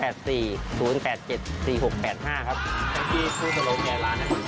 เมื่อกี้คุณจะลงแก่ร้านให้ประมาณไหน